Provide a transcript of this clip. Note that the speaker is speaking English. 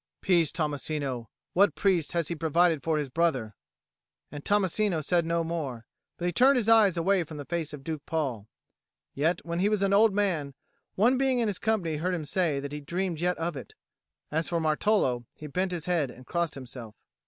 "Peace, Tommasino! What priest has he provided for his brother?" And Tommasino said no more, but he turned his eyes away from the face of Duke Paul: yet when he was an old man, one being in his company heard him say he dreamed yet of it. As for Martolo, he bent his head and crossed himself.